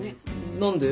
何で？